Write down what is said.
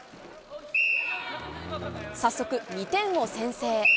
早速、２点を先制。